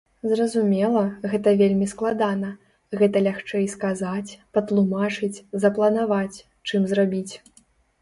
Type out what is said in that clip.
Зразумела, гэта вельмі складана, гэта лягчэй сказаць, патлумачыць, запланаваць, чым зрабіць.